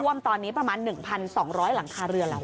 ท่วมตอนนี้ประมาณ๑๒๐๐หลังคาเรือนแล้ว